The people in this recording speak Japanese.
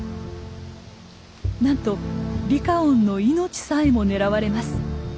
なんとリカオンの命さえも狙われます。